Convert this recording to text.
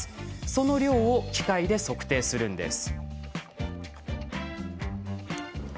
その量を機械で測定するんです。